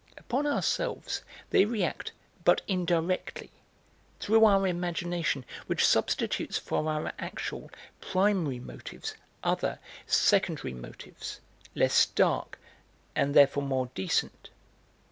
Upon ourselves they react but indirectly, through our imagination, which substitutes for our actual, primary motives other, secondary motives, less stark and therefore more decent.